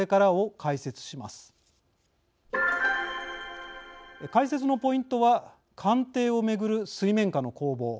解説のポイントは鑑定を巡る水面下の攻防。